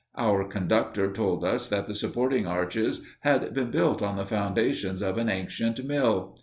Our conductor told us that the supporting arches had been built on the foundations of an ancient mill.